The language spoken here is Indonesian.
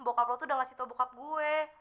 bokap lo tuh udah ngasih tau bokap gue